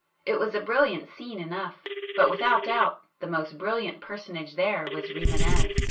It was a brilliant scene enough,—but, without doubt, the most brilliant personage [p 188] there was Rimânez.